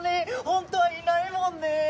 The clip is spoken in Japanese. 本当はいないもんねえ！